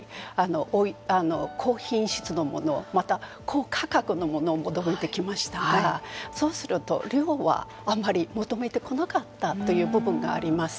高品質のものまた高価格のものを求めてきましたがそうすると量はあんまり求めてこなかったという部分があります。